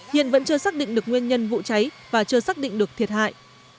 hiện vẫn chưa xác định được nguyên nhân vụ cháy và chưa xác định được thiệt hại